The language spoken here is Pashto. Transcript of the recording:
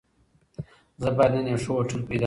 زه بايد نن يو ښه هوټل پيدا کړم.